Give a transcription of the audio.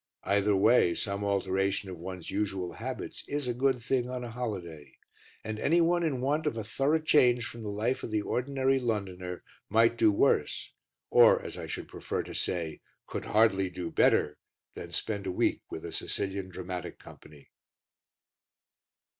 Either way some alteration of one's usual habits is a good thing on a holiday, and any one in want of a thorough change from the life of the ordinary Londoner might do worse or, as I should prefer to say, could hardly do better than spend a week with a Sicilian Dramatic Company.